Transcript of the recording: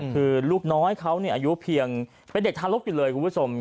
คือลูกน้อยเขาอายุเพียงเป็นเด็กทารกอยู่เลยคุณผู้ชม